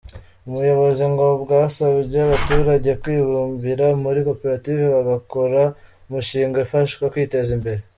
Ubuyobozi ngo bwasabye abaturage kwibumbira muri koperative bagakora umushinga ibafasha kwiteza imbere.